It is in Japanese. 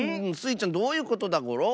ちゃんどういうことだゴロ？